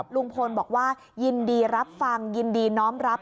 ลุงพลบอกว่ายินดีรับฟังยินดีน้อมรับ